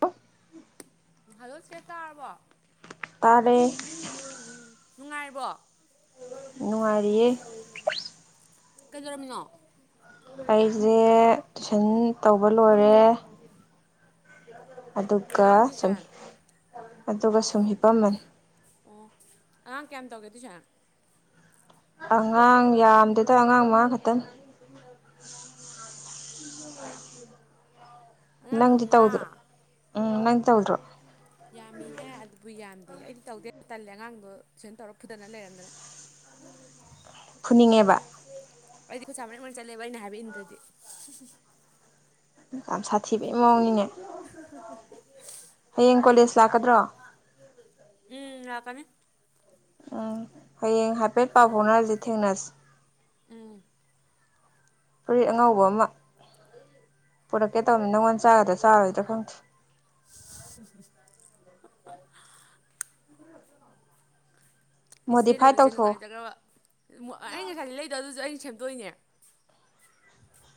ꯄ ꯍꯜꯂꯣ ꯁꯦ ꯇꯥꯔꯕꯣ ꯇꯥꯔꯦ ꯎꯝ ꯅꯨꯡꯉꯥꯏꯔꯕꯣ ꯅꯨꯡꯉꯔꯤꯌꯦ ꯀꯩꯗꯧꯝꯃꯤꯅꯣ ꯑꯩꯁꯦ ꯇꯨꯏꯁꯟ ꯇꯧꯕ ꯂꯣꯏꯔꯦ ꯑꯗꯨꯒ ꯑꯉꯥꯡ ꯁꯨꯝ ꯇꯨꯏꯁꯟ ꯑꯗꯨꯒ ꯁꯨꯝ ꯍꯄꯝꯃꯟ ꯑꯣ ꯑꯉꯥꯡ ꯀꯌꯥꯝ ꯇꯧꯒꯦ ꯑꯗꯨ ꯁꯥꯔ ꯑꯉꯥꯡ ꯌꯥꯝꯗꯗ ꯑꯉꯥꯡ ꯃꯉꯥ ꯈꯛꯇꯪ ꯑꯉꯥꯡ ꯅꯪꯗꯤ ꯇꯧꯗꯣ ꯃꯉꯥ ꯎꯝ ꯅꯪ ꯇꯧꯗꯣ ꯌꯥꯝꯃꯤꯍ ꯑꯗꯨꯕꯨ ꯌꯥꯝꯗꯦ ꯑꯩꯗꯤ ꯇꯧꯗꯦ ꯇꯜꯂꯦ ꯑꯉꯥꯡꯗꯣ ꯁꯨꯃꯥꯏꯅ ꯇꯧꯔ ꯐꯨꯗꯅ ꯂꯩꯔꯝꯗꯅ ꯐꯨꯅꯤꯡꯉꯦꯕ ꯑꯩꯗꯤ ꯈꯨꯠꯁꯥ ꯃꯔꯤꯛ ꯑꯣꯏꯅ ꯆꯠꯂꯦꯕ ꯑꯩꯅ ꯍꯥꯏꯕꯏꯟꯗ꯭ꯔꯗꯤ ꯌꯥꯝꯝ ꯁꯥ ꯊꯤꯕꯒꯤ ꯃꯑꯣꯅꯤꯅꯦ [unintelligible] ꯍꯌꯦꯡ ꯀꯣꯂꯦꯖ ꯂꯥꯛꯀꯗ꯭ꯔꯣ ꯎꯝ ꯂꯥꯛꯀꯅꯤ ꯎꯝ ꯍꯌꯦꯡ ꯍꯥꯏꯐꯦꯠ ꯄꯥꯎ ꯐꯥꯎꯅꯔꯁꯤ ꯊꯦꯡꯅꯔꯁꯤ ꯎꯝ ꯐꯨꯔꯤꯠ ꯑꯉꯧꯕ ꯑꯃ ꯄꯨꯔꯛꯀꯦ ꯇꯧꯕꯅꯤ ꯅꯪꯉꯣꯟꯗ ꯆꯥꯒꯗ꯭ꯔꯥ ꯆꯥꯔꯣꯏꯗ꯭ꯔꯥ ꯐꯪꯗꯦ [unintelligible] ꯏꯆꯦ ꯃꯣꯗꯤꯐꯥꯏ ꯂꯩꯕꯁꯦ ꯇꯧꯊꯣꯛꯑꯣ ꯅꯨꯡꯉꯥꯏꯖꯈ꯭ꯔꯕ ꯑꯩꯅ ꯉꯁꯥꯏꯗꯤ ꯂꯩꯗꯕ ꯑꯗꯨꯁꯨ ꯑꯩꯅ ꯁꯦꯝꯗꯣꯛꯏꯅꯦ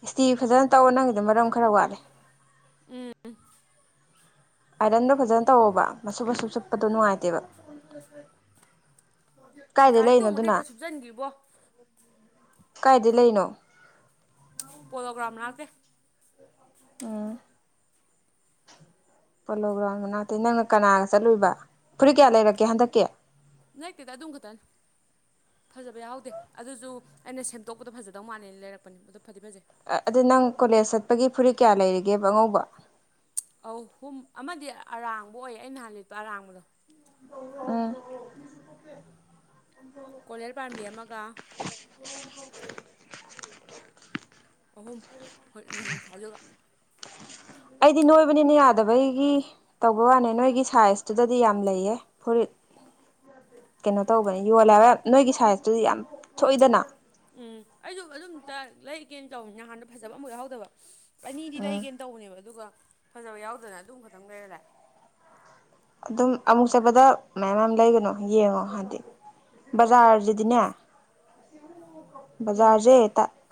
ꯏꯁꯇꯤ ꯐꯖꯅ ꯇꯛꯑꯣ ꯅꯪꯒꯤꯗ ꯃꯔꯝ ꯈꯔ ꯋꯥꯠꯂꯦ ꯎꯝ ꯑꯥꯏꯔꯟꯗꯣ ꯐꯖꯅ ꯇꯧꯑꯣꯕ ꯃꯁꯨꯨꯞ ꯃꯁꯨꯨꯞ ꯆꯨꯞꯄꯗꯣ ꯅꯨꯡꯉꯥꯏꯇꯦꯕ ꯀꯥꯏꯗꯩ ꯒꯥꯔꯤ ꯂꯩꯅꯣ ꯇꯣꯡꯕꯗ ꯑꯗꯨꯅ ꯍꯦꯛꯇ ꯁꯨꯞꯆꯟꯈꯤꯕ꯭ꯔꯣ ꯀꯥꯏꯗꯩ ꯂꯩꯔꯤꯅꯣ ꯄꯣꯂꯣꯒ꯭ꯔꯥꯎꯟ ꯃꯅꯥꯛꯇꯩ ꯎꯝ [inaudible] ꯄꯣꯂꯣ ꯒ꯭ꯔꯥꯎꯟ ꯃꯅꯥꯛꯇꯩ ꯅꯪꯅ ꯀꯅꯥꯒ ꯆꯠꯂꯨꯕ ꯐꯨꯔꯤꯠ ꯀꯌꯥ ꯂꯩꯔꯛꯀꯦ ꯍꯟꯗꯛꯀꯤ ꯅꯠꯇꯦꯗ ꯑꯗꯨꯝ ꯈꯛꯇꯅꯦ ꯐꯖꯕ ꯌꯥꯎꯍꯧꯗꯦ ꯑꯗꯨꯁꯨ ꯑꯩꯅ ꯁꯦꯝꯗꯣꯛꯄꯗꯣ ꯐꯖꯗꯧ ꯃꯥꯜꯂꯦꯅ ꯂꯩꯔꯛꯄꯅꯤ ꯑꯗꯨ ꯐꯗꯤ ꯐꯖꯩ ꯑꯗꯨ ꯅꯪ ꯀꯣꯂꯦꯖ ꯆꯠꯄꯒꯤ ꯐꯨꯔꯤꯠ ꯀꯌꯥ ꯂꯩꯔꯤꯒꯦꯕ ꯑꯉꯧꯕ ꯑꯧ ꯍꯨꯝ ꯑꯃꯗꯤ ꯑꯔꯥꯡꯕ ꯑꯣꯏ ꯑꯩ ꯅꯍꯥꯟ ꯂꯤꯠꯄ ꯑꯔꯥꯡꯕꯗꯣ ꯑꯝ ꯀꯣꯂꯔ ꯄꯥꯟꯕꯤ ꯑꯃꯒ [unintelligible] ꯑꯍꯨꯝ ꯍꯣꯏ ꯉꯁꯥꯏꯗꯨꯒ ꯑꯩꯗꯤ ꯅꯣꯏꯕꯅꯤꯅ ꯌꯥꯗꯕꯒꯤ ꯇꯧꯕꯩ ꯋꯥꯅꯦ ꯅꯣꯏꯒꯤ ꯁꯥꯏꯖꯇꯨꯗꯗꯤ ꯌꯥꯝ ꯂꯩꯌꯦ ꯐꯨꯔꯤꯠ ꯀꯩꯅꯣ ꯇꯧꯕꯅꯤ ꯌꯣꯜꯂꯦ ꯍꯥꯏꯕ ꯅꯣꯏꯒꯤ ꯁꯥꯏꯖꯇꯨꯗꯤ ꯌꯥꯝ ꯊꯣꯛꯏꯗꯅ ꯎꯝ ꯑꯩꯁꯨ ꯑꯗꯨꯝꯇ ꯂꯩꯒꯦꯅ ꯇꯧ ꯅꯍꯥꯟꯗ ꯐꯖꯕ ꯑꯝꯇ ꯌꯥꯎꯍꯧꯗꯕ ꯑꯅꯤꯗꯤ ꯂꯩꯒꯦꯅ ꯇꯧꯅꯦꯕ ꯑꯗꯨꯒ ꯐꯖꯕ ꯌꯥꯎꯗꯅ ꯑꯗꯨꯝ ꯈꯛꯇꯪ ꯂꯩꯔ ꯂꯥꯛꯑꯦ ꯑꯗꯨꯝ ꯑꯃꯨꯛ ꯆꯠꯄꯗ ꯃꯌꯥꯝ ꯃꯌꯥꯝ ꯂꯩꯒꯅꯨ ꯌꯦꯡꯉꯣ ꯍꯥꯏꯗꯤ ꯕꯖꯥꯔꯁꯤꯗꯤꯅꯦ ꯎꯝ ꯕꯖꯥꯔꯁꯦ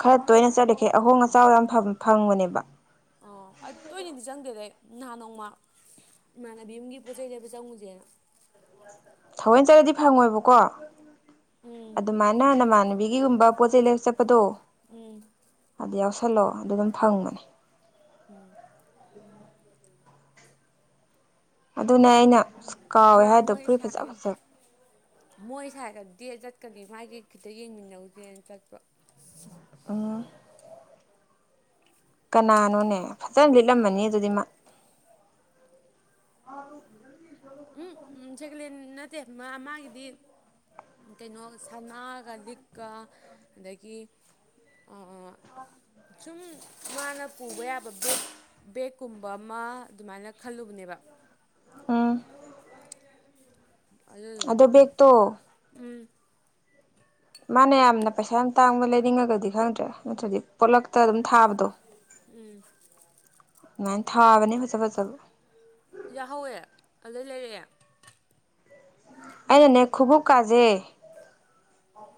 ꯈꯔ ꯇꯣꯏꯅ ꯆꯠꯂꯤꯈꯩ ꯑꯍꯣꯡ ꯑꯆꯥꯎ ꯌꯥꯝ ꯐꯪꯕꯅꯦꯕ ꯑꯣ ꯇꯣꯏꯅꯗꯤ ꯆꯪꯗꯦꯗ ꯅꯍꯥꯟ ꯅꯣꯡꯃ ꯏꯃꯥꯟꯅꯕꯤ ꯑꯃꯒꯤ ꯄꯣꯠ ꯆꯩ ꯂꯩꯕ ꯆꯪꯉꯨꯁꯦꯅ ꯊꯧꯑꯣꯏꯅ ꯆꯠꯂꯗꯤ ꯐꯪꯉꯣꯏꯕꯀꯣ ꯎꯝ ꯑꯗꯨꯃꯥꯏꯅ ꯅꯃꯥꯟ ꯕꯤꯒꯤꯒꯨꯝꯕ ꯄꯣꯠ ꯆꯩꯩ ꯂꯩꯕ ꯆꯠꯄꯗꯣ ꯎꯝ ꯑꯗꯨ ꯌꯥꯎꯁꯜꯂꯑꯣ ꯑꯗꯨ ꯑꯗꯨꯝ ꯐꯪꯕꯅꯤ ꯑꯗꯨꯅꯦ ꯑꯩꯅ ꯀꯥꯎꯋꯦ ꯃꯥ ꯍꯥꯏꯗꯣ ꯐꯨꯔꯤꯠ ꯐꯖ ꯐꯖꯕ ꯃꯣꯏ ꯁꯥꯏ ꯒ ꯗꯦꯠ ꯆꯠꯀꯅꯤ ꯃꯥꯥꯏꯒꯤ ꯈꯤꯇ ꯌꯦꯡꯃꯤꯟꯅꯧꯁꯦꯅ ꯆꯠꯄ ꯑꯣ ꯀꯅꯥꯅꯣꯅꯦ ꯐꯖꯅ ꯂꯤꯠꯂꯝꯃꯅꯤ ꯑꯗꯨꯗꯤ ꯃꯥ [unintelligible] ꯎꯝ ꯁꯦꯀꯂꯦꯟ ꯅꯠꯇꯦ ꯃꯥ ꯃꯥꯒꯤꯗꯤ ꯀꯩꯅꯣ ꯁꯅꯥꯒ ꯂꯤꯛꯀ ꯑꯗꯒꯤ ꯑꯥ ꯑꯥ ꯁꯨꯝ ꯃꯥꯅ ꯄꯨꯕ ꯌꯥꯕ ꯕꯦꯛ ꯕꯦꯛꯀꯨꯝꯕ ꯑꯃ ꯑꯗꯨꯃꯥꯏꯅ ꯈꯜꯂꯨꯕꯅꯦꯕ ꯎꯝ ꯑꯗꯨꯗꯣ ꯑꯗꯣ ꯕꯦꯛꯇꯣ ꯎꯝ ꯃꯥꯅ ꯌꯥꯝꯅ ꯄꯩꯁꯥ ꯌꯥꯝ ꯇꯥꯡꯕ ꯂꯩꯅꯤꯡꯉꯒꯗꯤ ꯈꯪꯗꯦ ꯅꯠꯇ꯭ꯔꯗꯤ ꯄꯣꯠꯂꯛꯇ ꯑꯗꯨꯝ ꯊꯥꯕꯗꯣ ꯎꯝ ꯑꯗꯨꯃꯥꯏꯅ ꯊꯥꯕꯅꯦ ꯐꯖ ꯐꯖꯕ ꯌꯥꯎꯍꯧꯋꯦ ꯑꯗꯨꯗꯩ ꯂꯩꯔꯛꯑꯦ ꯑꯩꯅꯅꯦ ꯈꯨꯕꯨꯛ ꯀꯥꯖꯦ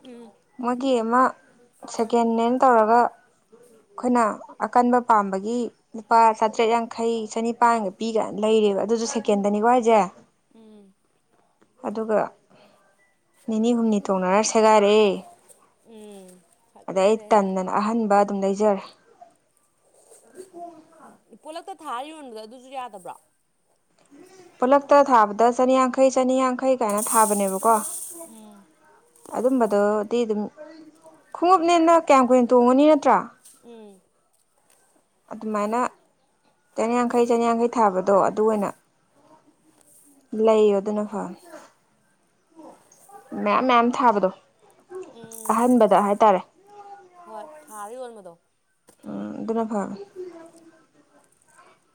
ꯎꯝ ꯃꯣꯏꯒꯤ ꯑꯃ ꯁꯦꯀꯦꯟ ꯍꯦꯟ ꯇꯧꯔꯒ ꯑꯩꯈꯣꯏꯅ ꯑꯀꯟꯕ ꯄꯥꯝꯕꯒꯤ ꯂꯨꯄꯥ ꯆꯥꯇ꯭ꯔꯦꯠ ꯌꯥꯡꯈꯩ ꯆꯅꯤꯄꯥꯟꯒ ꯄꯤꯒ ꯂꯩꯔꯦ ꯑꯗꯨꯁꯨ ꯁꯦꯀꯦꯟꯗꯅꯤꯀ ꯍꯥꯏꯁꯦ ꯎꯝ ꯑꯗꯨꯒ ꯅꯤꯅꯤ ꯍꯨꯝꯅꯤ ꯇꯣꯡꯅꯔ ꯁꯦꯒꯥꯏꯔꯑꯦ ꯎꯝ ꯑꯗꯩ ꯑꯩ ꯐꯖꯖꯩꯍꯦ ꯇꯟꯗꯅ ꯑꯍꯟꯕ ꯑꯗꯨꯝ ꯂꯩꯖꯔꯦ ꯎꯝ ꯄꯣꯂꯛꯇ ꯊꯥꯔꯌꫭꯟꯕꯗꫭ ꯑꯗꯨꯁꯨ ꯌꯥꯗꯕ꯭ꯔꯣ ꯄꯨꯂꯛꯇ ꯊꯥꯕꯗ ꯆꯅꯤꯌꯥꯡꯈꯩ ꯆꯅꯤꯌꯥꯡꯈꯩ ꯀꯥꯏꯅ ꯊꯥꯕꯅꯦꯕꯀꯣ ꯎꯝ ꯑꯗꯨꯝꯕꯗꯣꯗꯤ ꯑꯗꯨꯝ ꯈꯣꯡꯎꯞꯅꯦꯅ ꯀꯌꯥꯝ ꯀꯨꯏꯅ ꯇꯣꯡꯉꯅꯤ ꯅꯠꯇ꯭ꯔꯥ ꯎꯝ ꯑꯗꯨꯃꯥꯏꯅ ꯆꯅꯤꯌꯥꯡꯈꯩ ꯆꯅꯤꯌꯥꯡꯈꯩ ꯊꯥꯕꯗꯣ ꯑꯗꯨ ꯑꯣꯏꯅ ꯂꯩ ꯑꯗꯨꯒ ꯑꯗꯨꯅ ꯃꯌꯥꯝ ꯃꯌꯥꯝ ꯊꯥꯕꯗꯣ ꯎꯝ ꯑꯍꯟꯕꯗ ꯍꯥꯏꯇꯥꯔꯦ ꯍꯣꯏ ꯊꯥꯔꯥꯒ ꯌꯣꯟꯕꯗꯣ ꯎꯝ ꯑꯗꯨꯅ ꯐꯥ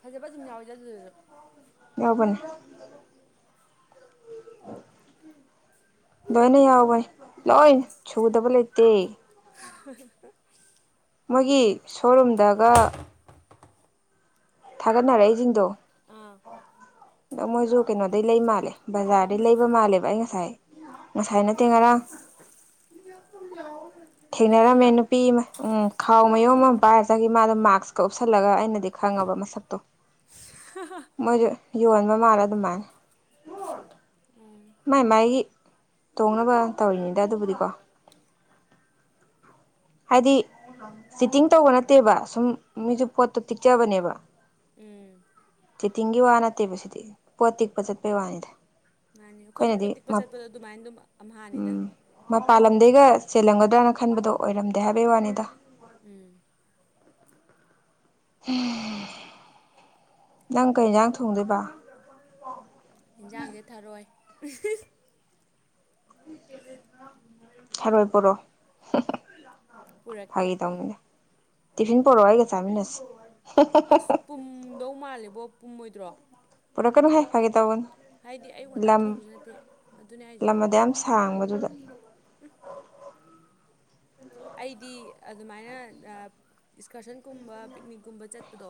ꯐꯖꯕ ꯑꯗꯨꯝ ꯌꯥꯎꯏꯗ ꯑꯗꯨꯗꯁꯨ ꯌꯥꯎꯕꯅꯦ ꯑ [unintelligible] ꯂꯣꯏꯅ ꯌꯥꯎꯕꯅꯤ ꯂꯣꯏ ꯁꯨꯗꯕ ꯂꯩꯇꯦ ꯍꯨꯍꯨ [unintelligible] ꯃꯣꯏꯒꯤ ꯁꯣꯔꯨꯝꯗ ꯑꯃꯥ ꯊꯥꯒꯠꯅꯔꯛꯏꯁꯤꯡꯗꯣ ꯑꯥ ꯑꯗꯪ ꯃꯣꯏꯁꯨ ꯀꯩꯅꯣꯗꯩ ꯂꯩꯕ ꯃꯥꯜꯂꯦ ꯕꯖꯥꯔꯗꯩ ꯂꯩꯕ ꯃꯥꯜꯂꯦꯕ ꯑꯩ ꯉꯁꯥꯏ ꯉꯁꯥꯏꯅ ꯅꯠꯇꯦ ꯉꯔꯥꯡ [inaudible] ꯊꯦꯡꯅꯔꯝꯃꯦ ꯅꯨꯄꯤ ꯑꯃ ꯎꯝ ꯈꯥꯎ ꯃꯌꯨꯝ ꯎꯝ ꯑꯃ ꯄꯥꯏꯔꯛꯒ ꯉꯁꯥꯏꯒꯤ ꯃꯥꯗ ꯃꯥꯛꯁꯀ ꯎꯞꯁꯜꯂꯒ ꯑꯩꯅ ꯈꯪꯉꯕ ꯃꯁꯛꯇꯣ ꯈ [inaudible] ꯃꯣꯏꯁꯨ ꯌꯣꯟꯕ ꯃꯥꯜꯂꯦ ꯑꯗꯨꯃꯥꯏꯅ ꯎꯝ ꯃꯥꯏ ꯃꯥꯏꯒꯤ ꯇꯣꯡꯅꯕ ꯇꯧꯔꯤꯅꯤꯗ ꯑꯗꯨꯕꯨꯗꯤꯀꯣ ꯍꯥꯏꯗꯤ ꯆꯤꯠꯇꯤꯡ ꯇꯧꯕ ꯅꯠꯇꯦꯕ ꯁꯨꯝ ꯃꯤꯁꯨ ꯄꯣꯠꯇꯣ ꯇꯤꯛꯆꯕꯅꯦꯕ ꯎꯝ ꯆꯦꯇꯤꯡꯒꯤ ꯋꯥ ꯅꯠꯇꯦꯕ ꯁꯤꯗꯤ ꯄꯣꯠ ꯇꯤꯛꯄ ꯆꯠꯄꯒꯤ ꯋꯥꯅꯤꯗ ꯃꯥꯅꯦ ꯑꯩꯈꯣꯏꯁꯨ ꯑꯩꯈꯣꯏꯅꯗꯤ ꯄꯣꯠ ꯇꯤꯛꯄ ꯆꯠꯄꯗꯣ ꯑꯗꯨꯃꯥꯏꯅ ꯑꯗꯨꯝ ꯑꯝꯍꯥꯅꯤꯗ ꯃꯄꯥꯟ ꯂꯝꯗꯩꯒ ꯆꯦꯜꯂꯝꯒꯗ꯭ꯔꯥꯅ ꯈꯟꯕꯗꯣ ꯑꯣꯏꯔꯝꯗꯦ ꯍꯥꯏꯕꯩ ꯋꯥꯅꯤꯗ ꯎꯝ ꯎꯝ ꯅꯪ ꯀꯩ ꯏꯁꯛ ꯊꯣꯡꯗꯣꯏꯕ ꯍꯟꯖꯥꯡꯁꯦ ꯊꯥꯔꯣꯏ ꯊꯔꯣꯏ ꯄꯔꯣ ꯄꯨꯔꯛꯀꯦ ꯐꯒꯤ ꯇꯧꯅꯤꯗ ꯇꯤꯐꯤꯟ ꯄꯨꯔꯛꯋ‌ꯑꫭ ꯑꯩꯒ ꯆꯥꯃꯤꯅꯁꯤ ꯑꯁ ꯄꯨꯝꯗꯧ ꯃꯥꯜꯂꯦꯕꯣ ꯄꯨꯝꯃꯣꯏꯗ꯭ꯔꯣ ꯄꯨꯔꯛ ꯀꯅꯨꯍꯦ ꯍꯥꯏ ꯐꯥꯒꯤ ꯇꯧꯅꯤ ꯍꯥꯏꯗꯤ ꯑꯌꯨꯛ ꯉꯟꯇꯥ ꯊꯣꯡꯕꯁꯨ ꯅꯠꯇꯦ ꯑꯗꯨꯅꯦ ꯍꯥꯏꯁꯦ ꯂꯝ ꯑꯗ ꯌꯥꯝ ꯁꯥꯡꯕꯗꯨꯗ ꯎꯝ ꯑꯩꯗꯤ ꯑꯗꯨꯃꯥꯏꯅ ꯑꯦꯛꯁꯀꯔꯁꯟꯒꯨꯝꯕ ꯄꯤꯛꯅꯤꯛꯀꯨꯝꯕ ꯆꯠꯄꯗꯣ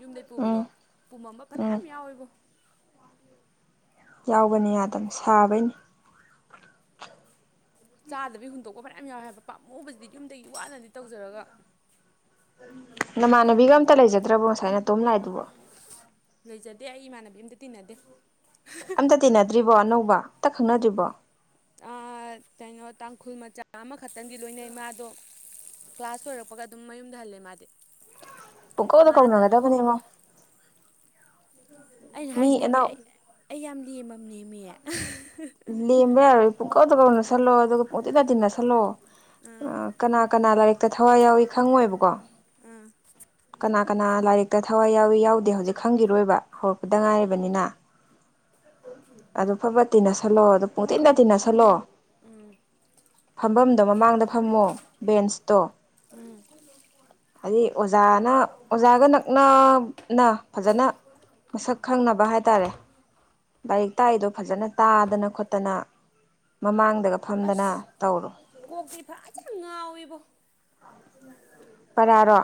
ꯌꯨꯝꯗꯩ ꯎꯝ ꯄꯨꯕꯗꯣ ꯄꯨꯃꯝꯕ ꯎꯝ ꯐꯅꯌꯥꯝ ꯌꯥꯎꯋꯦꯕꯣ ꯌꯥꯎꯕꯅꯤ ꯌꯥꯗ ꯑꯗꯨꯅ ꯁꯥꯕꯩꯅꯤ ꯆꯥꯗꯕꯤ ꯍꯨꯟꯗꯣꯛꯄ ꯐꯅꯌꯥꯝ ꯌꯥꯎꯋꯦ ꯍꯥꯏꯕ ꯄꯥꯝꯃꯨꯕꯁꯤꯗꯤ ꯌꯨꯝꯗꯒꯤ ꯋꯥꯅꯗꯤ ꯇꯧꯖꯔꯒ ꯅꯃꯥꯟꯅꯕꯤꯒ ꯑꯝꯇ ꯂꯩꯖꯗ꯭ꯔꯕꯣ ꯉꯁꯥꯏ ꯅꯇꯣꯝ ꯂꯥꯛꯏꯗꯨꯕꯣ ꯂꯩꯖꯗꯦ ꯑꯩ ꯏꯃꯥꯟꯅꯕꯤ ꯑꯝꯇ ꯇꯤꯟꯅꯗꯦ ꯑꯝꯇ ꯇꯤꯟꯅꯗ꯭ꯔꯤꯕꯣ ꯑꯅꯧꯕ ꯑꯝꯇ ꯈꯪꯅꯗ꯭ꯔꯤꯕꯣ ꯑꯥ ꯀꯩꯅꯣ ꯇꯥꯡꯈꯨꯜ ꯃꯆꯥ ꯑꯃꯈꯛꯇꯪꯒꯤ ꯂꯣꯏꯅꯩ ꯃꯗꯣ ꯀ꯭ꯂꯥꯁ ꯂꯣꯏꯔꯛꯄꯒ ꯑꯗꯨꯝ ꯃꯌꯨꯝꯗꯍꯜꯂꯦ ꯃꯥꯗꯤ ꯄꯨꯀꯧꯗ ꯃꯥ ꯅꯠꯇ ꯀꯧꯅꯒꯗꯕꯅꯦ ꯃꯥ ꯑꯩꯅ ꯃꯤ ꯍꯥꯏꯁꯤꯅꯦꯃꯤ ꯑꯅꯧ ꯑꯩ ꯑꯩ ꯌꯥꯝ ꯂꯦꯝꯃꯝꯅꯦꯃꯤ ꯂꯦꯝꯕ ꯄꯨꯡꯀꯧꯇ ꯀꯧꯅ ꯁꯜꯂꯣ ꯑꯗꯨꯒ ꯄꯨꯡ ꯇꯤꯟꯗ ꯇꯤꯟꯅ ꯁꯜꯂꯣ ꯎꯝ ꯀꯅꯥ ꯀꯅꯥ ꯂꯥꯏꯔꯤꯛꯇ ꯊꯋꯥꯏ ꯌꯥꯎꯏ ꯈꯪꯉꯣꯏꯕꯀꯣ ꯑꯥ ꯀꯅꯥ ꯀꯅꯥ ꯂꯥꯏꯔꯤꯛꯇ ꯊꯋꯥꯏ ꯌꯥꯎꯏ ꯌꯥꯎꯗꯦ ꯍꯧꯖꯤꯛ ꯈꯪꯈꯤꯔꯣꯏꯕ ꯍꯧꯔꯛꯄꯗ ꯎꯝ ꯉꯥꯏꯔꯕꯅꯤꯅ ꯑꯗꯨ ꯐꯕꯠ ꯇꯤꯟꯅꯁꯜꯂꯣ ꯑꯗꯨ ꯄꯨꯡ ꯇꯤꯟꯗ ꯇꯤꯟꯅꯁꯜꯂꯣ ꯎꯝ ꯐꯝꯐꯝꯗꯣ ꯃꯃꯥꯡꯗ ꯐꯝꯃꯣ ꯕꯦꯟꯁꯇꯣ ꯎꯝ ꯍꯥꯏꯗꯤ ꯑꯣꯖꯥꯅ ꯑꯣꯖꯥꯒ ꯅꯛꯅꯅ ꯐꯖꯅ ꯃꯁꯛ ꯈꯪꯅꯕ ꯍꯥꯏꯇꯥꯔꯦ ꯂꯥꯏꯔꯤꯛ ꯇꯥꯛꯏꯗꯣ ꯐꯖꯅ ꯇꯥꯗꯅ ꯈꯣꯠꯇꯅ ꯃꯃꯥꯡꯗꯒ ꯑꯁ ꯐꯝꯗꯅ ꯇꯧꯔꯣ ꯀꯣꯛꯇꯤ ꯐꯖꯅ ꯉꯥꯎꯋꯤꯕꯣ ꯄꯔꯥꯔꯣ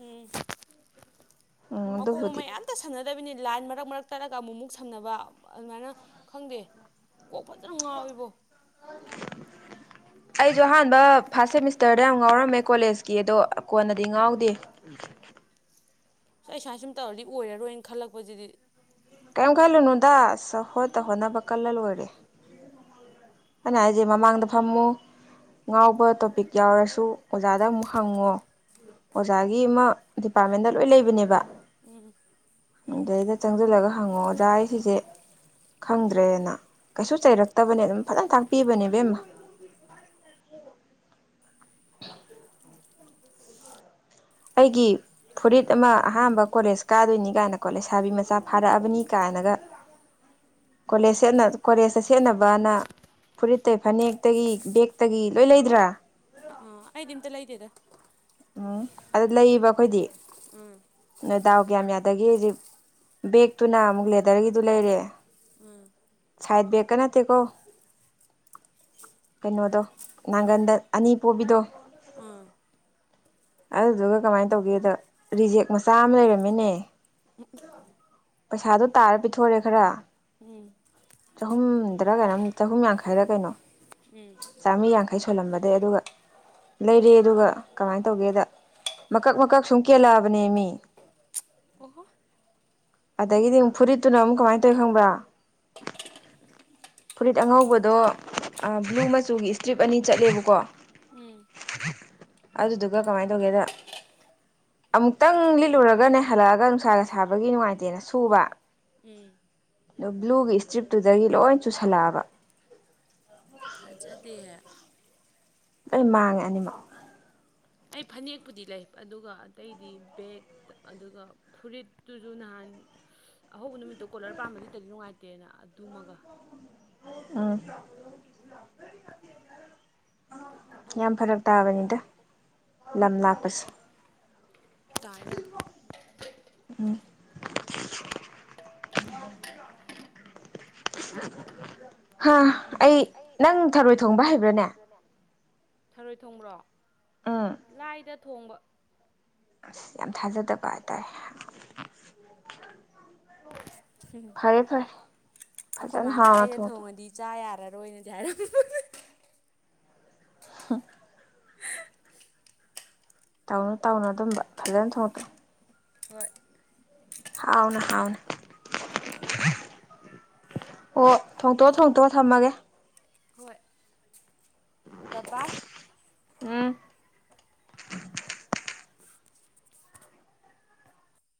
ꯎꯝ ꯎꯝ ꯃꯀꯣꯛ ꯑꯗꯨꯕꯨꯗꯤ ꯃꯃꯩ ꯑꯝ ꯑꯃꯇ ꯁꯝꯅꯗꯕꯤꯅꯤ ꯂꯥꯏꯟ ꯃꯔꯛ ꯃꯔꯛ ꯇꯥꯠꯂꯒ ꯑꯃꯨꯛꯃꯨꯛ ꯁꯝꯅꯕ ꯑꯗꯨꯃꯥꯏꯅ ꯈꯪꯗꯦ ꯀꯣꯛ ꯐꯖꯅ ꯉꯥꯎꯏꯕꯣ [inaudible] ꯑꯩꯁꯨ ꯑꯍꯥꯟꯕ ꯐꯥꯔꯁꯠ ꯁꯦꯃꯤꯁꯇꯔꯗ ꯌꯥꯝ ꯉꯥꯎꯔꯝꯃꯦ ꯀꯣꯂꯦꯖꯀꯤ ꯑꯗꯣ ꯀꯣꯟꯅꯗꯤ ꯉꯥꯎꯗꯦ ꯑꯁ ꯑꯩ ꯁꯨꯃꯥꯏꯅ ꯁꯨꯝ ꯇꯧꯔꯗꯤ ꯑꯣꯏꯔꯔꯣꯏꯅ ꯈꯜꯂꯛꯄꯁꯤꯗꯤ ꯀꯩꯝ ꯈꯜꯂꯨꯅꯨꯗ ꯑꯁ ꯍꯣꯠꯅ ꯍꯣꯠꯅꯕ ꯀꯜꯂ ꯂꯣꯏꯔꯦ ꯑꯩꯅ ꯍꯥꯏꯁꯦ ꯃꯃꯥꯡꯗ ꯐꯝꯃꯨ ꯉꯥꯎꯕ ꯇꯣꯄꯤꯛ ꯌꯥꯎꯔꯁꯨ ꯑꯣꯖꯥꯗ ꯑꯃꯨꯛ ꯍꯪꯉꯣ ꯑꯣꯖꯥꯒꯤ ꯑꯃ ꯗꯤꯄꯥꯔꯠꯃꯦꯟꯗ ꯂꯣꯏ ꯂꯩꯕꯅꯦꯕ ꯎꯝ ꯑꯗꯩꯗ ꯆꯪꯁꯤꯜꯂꯒ ꯍꯪꯉꯣ ꯑꯣꯖꯥ ꯑꯩ ꯁꯤꯁꯦ ꯈꯪꯗ꯭ꯔꯦꯅ ꯀꯩꯁꯨ ꯆꯩꯔꯛꯇꯕꯅꯦ ꯑꯗꯨꯝ ꯐꯖꯅ ꯇꯥꯛꯄꯤꯕꯅꯦ ꯏꯕꯦꯝꯃ ꯑꯩꯒꯤ ꯐꯨꯔꯤꯠ ꯑꯃ ꯑꯍꯥꯟꯕ ꯀꯣꯂꯦꯖ ꯀꯥꯗꯣꯏꯅꯤ ꯀꯥꯏꯅꯀꯣ ꯂꯩꯁꯥꯕꯤ ꯃꯆꯥ ꯐꯥꯔꯛꯑꯕꯅꯤ ꯀꯥꯏꯅꯒ ꯑꯣ [unintelligible] ꯀꯣꯂꯦꯖ ꯁꯠꯅ ꯀꯣꯂꯦꯖꯇ ꯁꯦꯠꯅꯕꯅ ꯐꯨꯔꯤꯠꯇꯩ ꯐꯅꯦꯛꯇꯒꯤ ꯕꯦꯛꯇꯒꯤ ꯂꯣꯏ ꯂꯩꯗ꯭ꯔꯥ ꯑꯥ ꯑꯩꯗꯤ ꯑꯝꯇ ꯂꯩꯗ‌ꯦꯗ ꯎꯝ ꯑꯗ ꯂꯩꯏꯕ ꯑꯩꯈꯣꯏꯗꯤ ꯎꯝ ꯅ ꯗꯥꯎ ꯀꯌꯥꯝ ꯌꯥꯗꯒꯦꯖ‌ꯦ ꯕꯦꯛꯇꯨꯅ ꯑꯃꯨꯛ ꯂꯦꯗꯔꯒꯤꯗꯨ ꯂꯩꯔꯦ ꯎꯝ ꯁꯥꯏꯠ ꯕ‌ꯦꯛꯀ ꯅꯠꯇꯦ ꯀꯣ ꯀꯩꯅꯣꯗꯣ ꯅꯥꯒꯟꯗ ꯑꯅꯤ ꯄꯣꯕꯤꯗꯣ ꯑꯥ ꯑꯗꯨꯗꯨꯒ ꯀꯃꯥꯏꯅ ꯇꯧꯒꯦꯗ ꯔꯤꯖꯦꯛ ꯃꯆꯥ ꯑꯃ ꯂꯩꯔꯝꯃ‌ꯦꯅꯦ ꯄꯩꯁꯥꯗꯣ ꯇꯥꯔ ꯄꯤꯊꯣꯔꯛꯑ‌ꯦ ꯈꯔ ꯎꯝ [unintelligible] ꯆꯍꯨꯝꯗꯔꯥ ꯀꯩꯅꯣꯝ ꯆꯍꯨꯝ ꯌꯥꯡꯈꯩꯔ ꯀꯩꯅꯣ ꯎꯝ ꯆꯥꯝꯃꯔꯤ ꯌꯥꯡꯈꯩ ꯁꯣꯜꯂꯝꯕꯗꯩ ꯑꯗꯨꯒ ꯂꯩꯔꯦ ꯑꯗꯨꯒ ꯀꯃꯥꯏꯅ ꯇꯧꯒꯦꯗ ꯃꯀꯛ ꯃꯀꯛ ꯁꯨꯝ ꯀꯦꯜꯂꯛꯑꯕꯅꯦ ꯃꯤ ꯑꯣꯍ ꯑꯗꯒꯤꯗꯤ ꯑꯃꯨꯛ ꯐꯨꯔꯤꯠꯇꯨꯅ ꯑꯃꯨꯛ ꯀꯃꯥꯏꯅ ꯇꯧꯋꯤ ꯈꯪꯕ꯭ꯔꯥ ꯐꯨꯔꯤꯠ ꯑꯉꯧꯕꯗꯣ ꯕ꯭ꯂꯨ ꯃꯆꯨꯒꯤ ꯏꯁꯇ꯭ꯔꯤꯞ ꯑꯅꯤ ꯆꯠꯂꯦꯕꯀꯣ ꯎꯝ ꯑꯗꯨꯗꯨꯒ ꯀꯃꯥꯏꯅ ꯇꯧꯒꯦꯗ ꯑꯃꯨꯛꯇꯪ ꯂꯤꯠꯂꯨꯔꯒꯅꯦ ꯍꯜꯂꯛꯑꯒ ꯅꯨꯡꯁꯥꯅ ꯁꯥꯕꯒꯤ ꯅꯨꯡꯉꯥꯏꯇꯦꯅ ꯁꯨꯕ ꯎꯝ ꯑꯗꯣ ꯕ꯭ꯂꯨꯒꯤ ꯏꯁꯇ꯭ꯔꯤꯞꯇꯨꯗꯒꯤ ꯂꯣꯏ ꯆꯨꯁꯜꯂꯛꯑꯕ ꯐꯖꯗꯦꯍꯦ ꯂ ꯃꯥꯡꯉꯦ ꯑꯅꯤꯃꯛ ꯑꯩ ꯐꯅꯦꯛꯄꯨꯗꯤ ꯂꯩ ꯑꯗꯨꯒ ꯑꯇꯩꯗꯤ ꯕꯦꯒ ꯑꯗꯨꯒ ꯐꯨꯔꯤꯠꯇꯨꯁꯨ ꯅꯍꯥꯟ ꯑꯍꯧꯕ ꯅꯨꯃꯤꯠꯇꯣ ꯀꯣꯂꯔ ꯄꯥꯝꯕꯗꯤꯇꯗꯤ ꯅꯨꯡꯉꯥꯏꯇꯦꯅ ꯑꯗꯨꯃꯒ ꯑꯥ ꯌꯥꯝ ꯐꯔꯛ ꯇꯥꯕꯅꯤꯗ ꯂꯝ ꯂꯥꯞꯄꯁꯦ ꯇꯥꯏ ꯌꯥꯝ ꯎꯝ ꯍꯥ ꯑꯩ ꯅꯪ ꯊꯔꯣꯏ ꯊꯣꯡꯕ ꯍꯩꯕ꯭ꯔꯅꯦ ꯊꯔꯣꯏ ꯊꯣꯡꯕ꯭ꯔꯣ ꯎꯝ ꯂꯥꯏꯗ ꯊꯣꯡꯕ ꯑ ꯌꯥꯝ ꯊꯥꯖꯗꯕ ꯍꯥꯏꯇꯥꯔꯦ ꯎꯝ ꯐꯔꯦ ꯐꯔꯦ ꯑꯩꯈꯣꯏ ꯐꯖꯅ ꯃꯥꯅ ꯍꯥꯎꯅ ꯑꯩꯅ ꯊꯣꯡꯇꯣꯛ ꯊꯣꯡꯉꯗꯤ ꯆꯥ ꯌꯥꯔꯔꯣꯏ ꯑꯣꯏꯅꯗꯤ ꯍꯥꯏꯔ ꯍꯥ ꯇꯧꯅꯨ ꯇꯧꯅꯨ ꯑꯗꯨꯝꯕ ꯐꯖꯅ ꯊꯣꯡꯇꯣꯑꯣ ꯍꯣꯏ ꯍꯥꯎꯅ ꯍꯥꯎꯅ ꯑꯣ ꯊꯣꯡꯇꯣꯛꯑꯣ ꯊꯣꯡꯇꯣꯛꯑꯣ ꯊꯝꯃꯒꯦ ꯕꯕꯥ ꯎꯝ